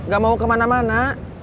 gak mau kemana mana